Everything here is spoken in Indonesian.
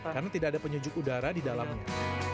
karena tidak ada penyujuk udara di dalamnya